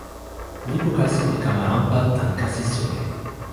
lipu kasi li kama anpa tan kasi suli.